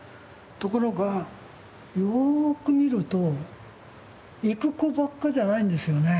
ところがよく見ると行く子ばっかじゃないんですよね。